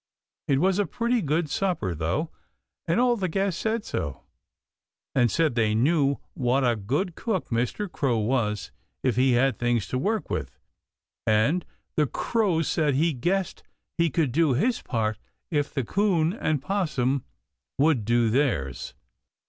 It was a pretty good supper, though, and all the guests said so, and said they knew what a good cook Mr. Crow was if he had things to work with, and the Crow said he guessed he could do his part if the 'Coon and 'Possum would do theirs.